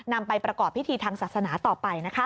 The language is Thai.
นำไปประกอบพิธีทางศาสนาต่อไปนะคะ